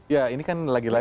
ya ini kan lagi lagi